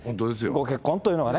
ご結婚というのがね。